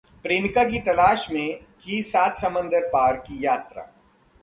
प्रेमिका की तलाश में की सात समंदर पार की यात्रा